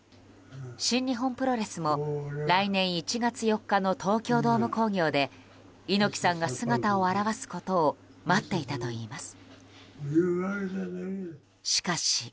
新日本プロレスも来年１月４日の東京ドーム興行で猪木さんが姿を現すことを待っていたといいます。